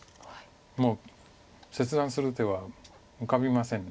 もう切断する手は浮かびません。